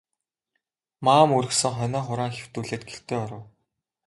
Маам үргэсэн хонио хураан хэвтүүлээд гэртээ оров.